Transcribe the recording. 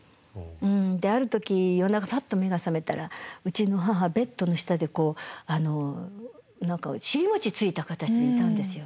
である時夜中パッと目が覚めたらうちの母ベッドの下でこう何か尻餅ついた形でいたんですよ。